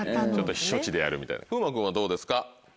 避暑地でやるみたいな風磨君はどうですか？